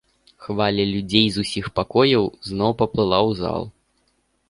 Хваля людзей з усіх пакояў зноў паплыла ў зал.